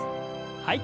はい。